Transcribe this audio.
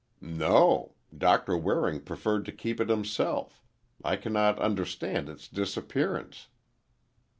"No; Doctor Waring preferred to keep it himself. I cannot understand its disappearance."